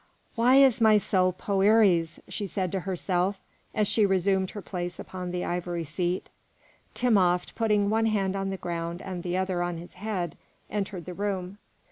"Why is my soul Poëri's?" she said to herself as she resumed her place upon the ivory seat. Timopht, putting one hand on the ground and the other on his head, entered the room.